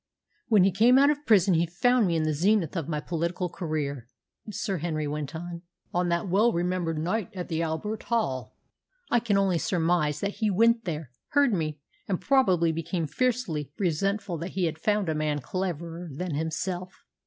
"When he came out of prison he found me in the zenith of my political career," Sir Henry went on. "On that well remembered night of my speech at the Albert Hall I can only surmise that he went there, heard me, and probably became fiercely resentful that he had found a man cleverer than himself.